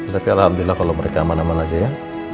tapi alhamdulillah kalau mereka aman aman aja ya